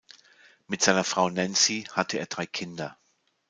Mit seiner Frau Nancy hatte er drei Kinder.